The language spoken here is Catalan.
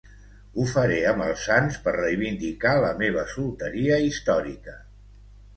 Ho faré amb els sants per reivindicar la meva solteria històrica.